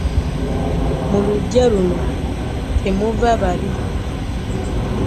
Mu luggya luno temuva babbi.